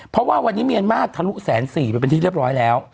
เพราะว่าวันนี้เมียนมาทะลุ๑๔๐๐ไปเป็นที่เรียบร้อยแล้ว